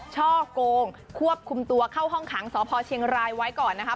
ช่อกงควบคุมตัวเข้าห้องขังสพเชียงรายไว้ก่อนนะคะ